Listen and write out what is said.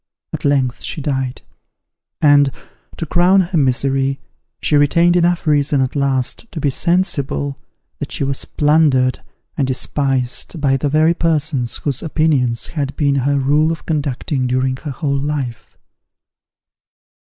At length she died; and, to crown her misery, she retained enough reason at last to be sensible that she was plundered and despised by the very persons whose opinions had been her rule of conduct during her whole life.